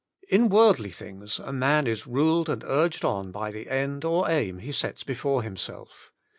In worldly things a man is ruled and urged on by the End or Aim he sets before himself.